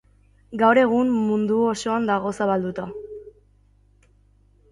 Gaur egun, mundu osoan dago zabalduta.